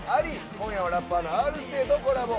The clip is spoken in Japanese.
今夜はラッパーのＲ‐指定とコラボ。